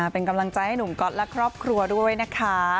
เป็นกำลังใจให้หนุ่มก๊อตและครอบครัวด้วยนะคะ